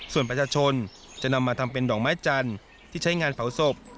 ส่วนประชาชนจะนำมาทำเป็นดอกไม้จันทร์ที่ใช้งานเผาศพ